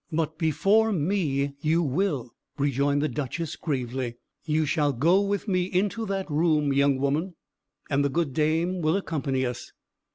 "But before me, you will," rejoined the Duchess gravely. "You shall go with me into that room, young woman, and the good dame will accompany us."